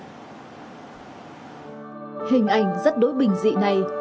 hình ảnh rất đối bình dị này